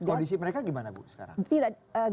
kondisi mereka gimana bu sekarang